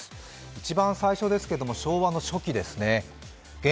一番最初ですけれども、昭和の初期ですね。